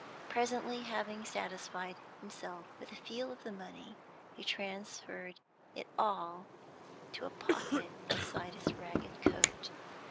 Presently, having satisfied himself with the feel of the money, he transferred it all to a pocket inside his ragged coat.